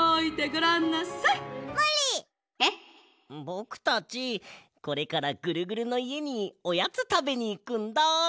ぼくたちこれからぐるぐるのいえにおやつたべにいくんだ！